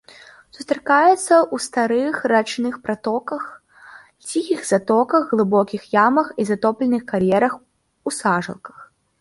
Сустракаецца ў старых рачных пратоках, ціхіх затоках, глыбокіх ямах і затопленых кар'ерах, у сажалках.